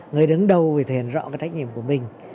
người đứng đầu thể hiện rõ cái trách nhiệm của mình